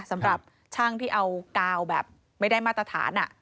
สำหรับช่างที่เอากาวแบบไม่ได้มาตรฐาน